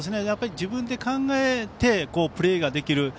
自分で考えてプレーができる。